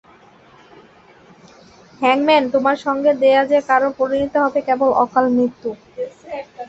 হ্যাংম্যান, তোমার সঙ্গ দেয়া যে কারো পরিণতি হবে কেবল অকাল মৃত্যু।